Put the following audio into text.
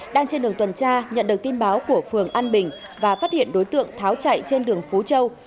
đang trên đường tuần tra nhận được tin báo của phường an bình và phát hiện đối tượng tháo chạy trên đường phú châu